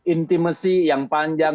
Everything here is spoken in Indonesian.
intimasi yang panjang